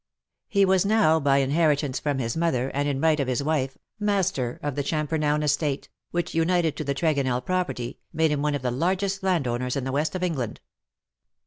He was now by inheritance from his mother, and in right of his wife, master of the Champernowne estate, which, united to the Tregonell property, made him one of the largest landowners in the West of England.